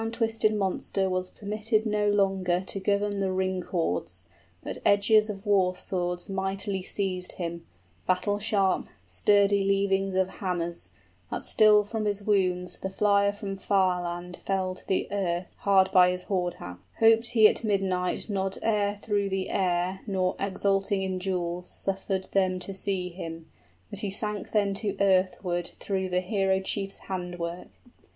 } The round twisted monster was permitted no longer To govern the ring hoards, but edges of war swords Mightily seized him, battle sharp, sturdy Leavings of hammers, that still from his wounds 10 The flier from farland fell to the earth Hard by his hoard house, hopped he at midnight Not e'er through the air, nor exulting in jewels Suffered them to see him: but he sank then to earthward Through the hero chief's handwork.